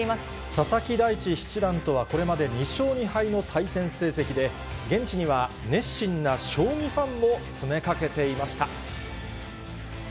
佐々木大地七段とは、これまで２勝２敗の対戦成績で、現地には熱心な将棋ファンも詰めかけていました。